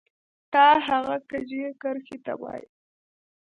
تا هغه کږې کرښې ته وایې